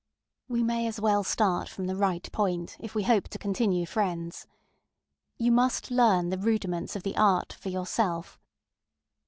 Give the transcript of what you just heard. We may as well start from the right point, if we hope to continue friends. You must learn the rudiments of the art for yourself.